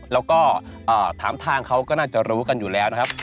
แล้วก็ถามทางเขาก็น่าจะรู้กันอยู่แล้วนะครับ